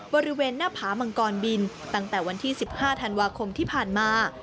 บริเวณหน้าผามังกรบินตั้งแต่วันที่๑๕ธันวาคมที่ผ่านมา